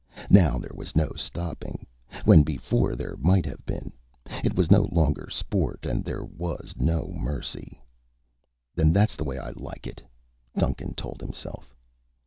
Now there was no stopping, when before there might have been. It was no longer sport and there was no mercy. "And that's the way I like it," Duncan told himself.